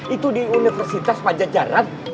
itu di universitas pajajaran